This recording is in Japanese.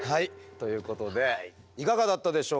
ということでいかがだったでしょうか。